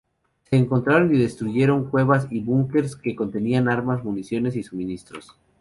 Se encontraron y destruyeron cuevas y búnkers que contenían armas, municiones y suministros.